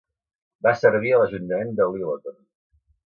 Va servir a l'ajuntament de Lyleton.